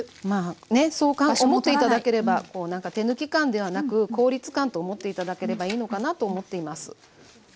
まあねそう思って頂ければこうなんか手抜き感ではなく効率感と思って頂ければいいのかなと思っています。